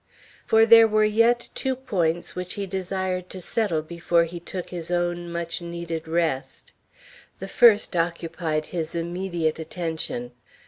For there were yet two points which he desired to settle before he took his own much needed rest. The first occupied his immediate attention.